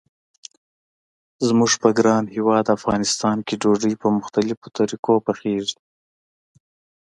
زموږ په ګران هیواد افغانستان کې ډوډۍ په مختلفو طریقو پخیږي.